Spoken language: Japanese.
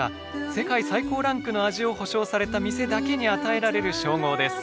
世界最高ランクの味を保証された店だけに与えられる称号です。